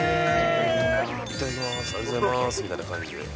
いただきます、ありがとうございますみたいな感じで。